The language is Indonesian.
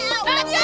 tante udah ya